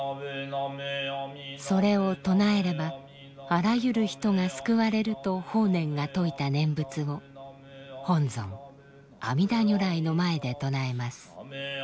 それを唱えればあらゆる人が救われると法然が説いた念仏を本尊阿弥陀如来の前で唱えます。